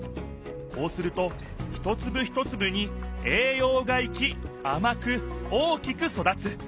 こうすると一つぶ一つぶにえいようがいきあまく大きく育つ。